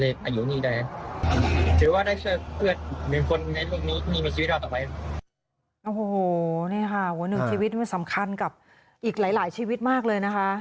โอ้โหนี่ค่ะหัวหนึ่งชีวิตมันสำคัญกับอีกหลายชีวิตมากเลยนะคะ